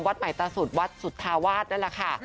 วัดใหม่ตาสุทธิ์วัดสุทธาวาสนั่นแหละค่ะ